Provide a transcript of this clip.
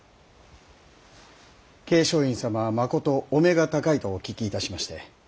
桂昌院様はまことお目が高いとお聞きいたしまして。